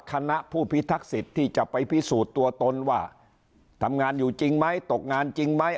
คณะผู้พิทักษิตที่จะไปพิสูจน์ตัวตนว่าทำงานอยู่จริงไหมตกงานจริงไหม